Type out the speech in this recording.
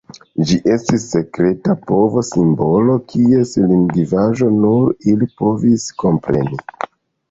Ĝi estis sekreta povo-simbolo kies lingvaĵo nur ili povis kompreni.